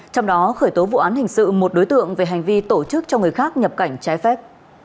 trong đó khởi tố vụ án hình sự một đối tượng về hành vi tổ chức cho người khác nhập cảnh trái phép